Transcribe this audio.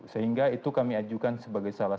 sehingga itu kami ajukan sebagai salah satu